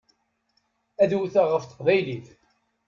Ad wteɣ ɣef teqbaylit.